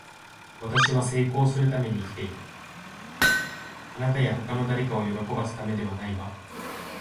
私は成功するために生きている。あなたや他の誰かを喜ばせるためではないわ。